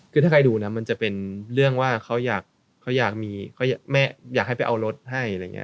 คือถ้าใครดูนะมันจะเป็นเรื่องว่าเขาอยากมีเขาอยากให้ไปเอารถให้อะไรอย่างนี้